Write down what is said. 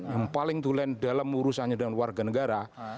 yang paling tulen dalam urusannya dengan warga negara